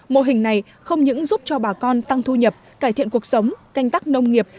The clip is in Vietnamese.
mô hình này không những giúp cho bà con tăng thu nhập cải thiện cuộc sống canh tắc nông nghiệp